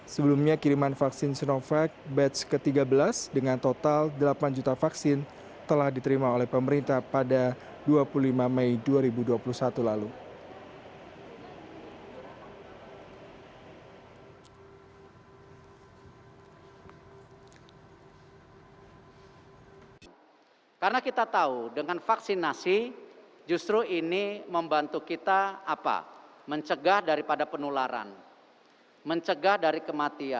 sebelumnya kiriman vaksin sinovac batch ke tiga belas